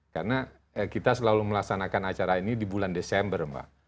karena kita selalu melaksanakan acara ini di bulan desember mbak